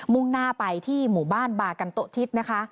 ่งหน้าไปที่หมู่บ้านบากันโต๊ทิศนะคะ